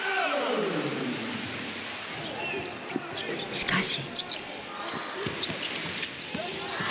しかし。